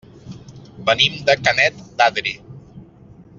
Venim de Canet d'Adri.